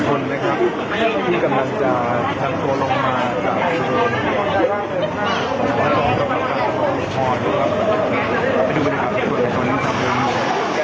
ตอนนี้นะครับมันกำลังมันกำลังนะครับได้ที่แวร์มาปล่อยไว้นะครับ